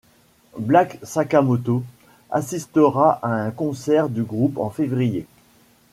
Blake Sakamoto assistera à un concert du groupe en février.